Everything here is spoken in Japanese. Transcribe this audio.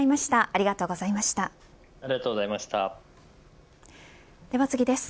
ありがとうございます。